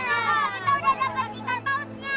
kita udah dapet ikan pausnya